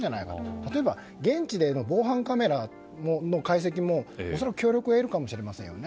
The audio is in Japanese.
例えば現地で防犯カメラの解析も恐らく協力を得るかもしれませんよね。